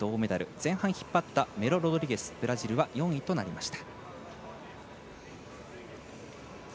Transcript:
前半引っ張ったメロロドリゲス、ブラジルは４位となりました。